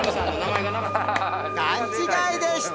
勘違いでした！